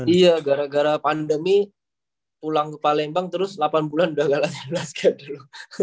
iya gara gara pandemi pulang ke palembang terus delapan bulan udah gak latihan last game dulu